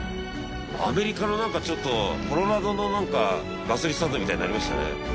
アメリカのなんかちょっとコロラドのなんかガソリンスタンドみたいになりましたね。